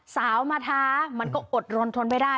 สาวมาท้ามันก็อดรนทนไม่ได้